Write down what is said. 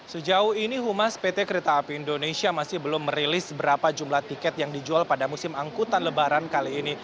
sejauh ini humas pt kereta api indonesia masih belum merilis berapa jumlah tiket yang dijual pada musim angkutan lebaran kali ini